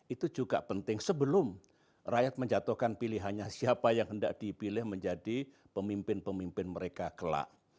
itu juga penting sebelum rakyat menjatuhkan pilihannya siapa yang hendak dipilih menjadi pemimpin pemimpin mereka kelak